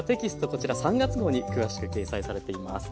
こちら３月号に詳しく掲載されています。